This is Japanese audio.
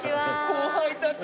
後輩たち。